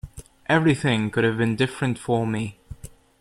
Everything could have been different for me.